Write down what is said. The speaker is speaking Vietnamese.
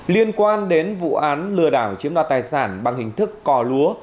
liên quan đến vụ án lừa đảo chiếm đoạt tài sản bằng hình thức cò lúa